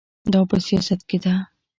دا په سیاست کې ده.